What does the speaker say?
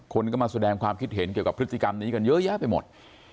คนก็มาแสดงความคิดเห็นเกี่ยวกับพฤติกรรมนี้กันเยอะแยะไปหมด